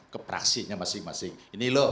keperasiannya masing masing ini loh